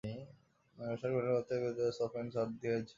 বসার ঘরের বেতের সোফা ঝাড়ন দিয়ে ঝাড়ে।